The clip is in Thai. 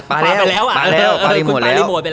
ปารีโหมดไปแล้ว